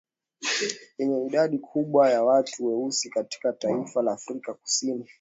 Yenye idadi kubwa ya watu weusi katika taifa la Afrika Kusini